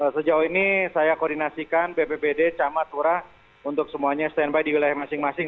sejauh ini saya koordinasikan bppd camat hura untuk semuanya stand by di wilayah masing masing